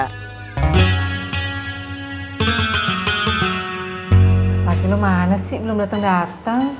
laki lu mana sih belum dateng dateng